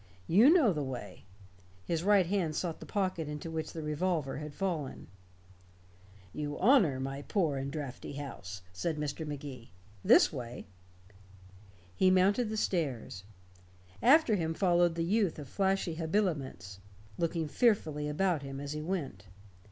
You know the way." His right hand sought the pocket into which the revolver had fallen. "You honor my poor and drafty house," said Mr. Magee. "This way." He mounted the stairs. After him followed the youth of flashy habiliments, looking fearfully about him as he went.